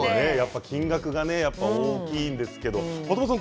金額がね、大きいんですけれども的場さん